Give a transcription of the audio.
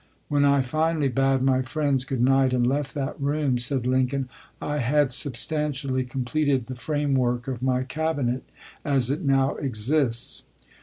"When I finally bade my friends good night and left that room," said Lincoln, "I had substantially completed the framework of my Cabinet as it now exists."